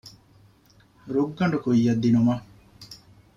ރުއްގަނޑު ކުއްޔަށް ދިނުމަށް